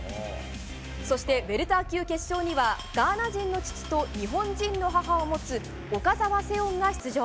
そして、ウエルター級決勝にはガーナ人の父と日本人の母を持つ岡澤セオンが出場。